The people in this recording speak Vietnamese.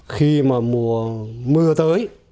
khi mà mùa mưa tới